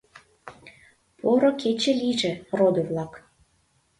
— Поро кече лийже, родо-влак!